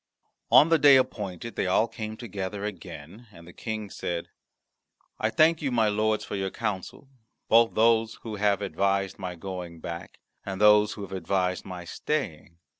On the day appointed they all came together again, and the King said, "I thank you, my lords, for your counsel both those who have advised my going back and those who have advised my staying.